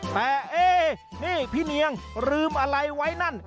แต่เอ๊นี่พี่เนียงลืมอะไรไว้นั่น